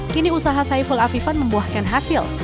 kini usaha saiful afifan membuahkan hasil